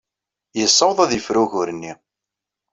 Yessaweḍ ad yefru ugur-nni.